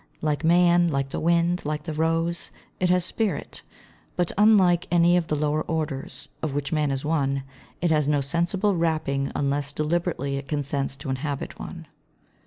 Like man, like the wind, like the rose, it has spirit; but unlike any of the lower orders, of which man is one, it has no sensible wrapping unless deliberately it consents to inhabit one.